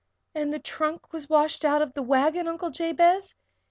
"And the trunk was washed out of the wagon, Uncle Jabez?